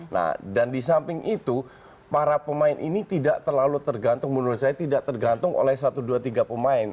nah dan di samping itu para pemain ini tidak terlalu tergantung menurut saya tidak tergantung oleh satu dua tiga pemain